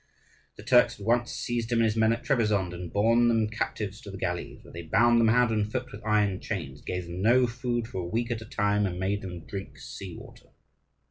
The Turks had once seized him and his men at Trebizond, and borne them captives to the galleys, where they bound them hand and foot with iron chains, gave them no food for a week at a time, and made them drink sea water.